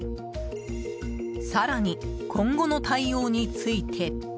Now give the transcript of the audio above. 更に、今後の対応について。